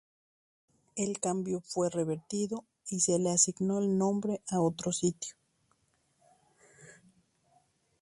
El cambio fue revertido y se le asignó el nombre a otro sitio.